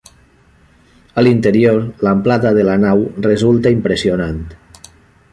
A l'interior, l'amplada de la nau resulta impressionant.